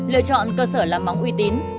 lựa chọn cơ sở làm móng uy tín